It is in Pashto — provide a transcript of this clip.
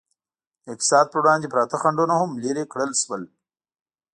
د اقتصاد پر وړاندې پراته خنډونه هم لرې کړل شول.